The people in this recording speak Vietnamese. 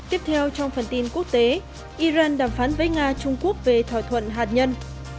tiếp theo trong phần tin quốc tế iran đàm phán với nga trung quốc về thỏa thuận hạt nhân